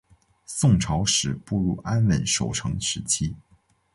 宋朝始步入安稳守成时期。